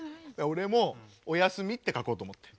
俺も「親済」って書こうと思って。